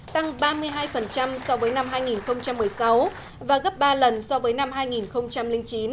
tăng ba mươi hai so với năm hai nghìn một mươi sáu và gấp ba lần so với năm hai nghìn chín